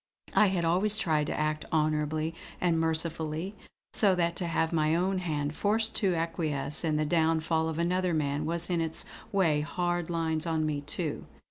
I had always tried to act honourably and mercifully, so that to have my own hand forced to acquiesce in the downfall of another man was in its way hard lines on me too.